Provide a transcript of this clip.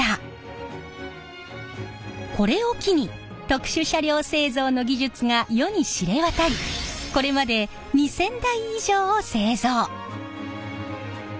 これを機に特殊車両製造の技術が世に知れ渡りこれまで２，０００台以上を製造！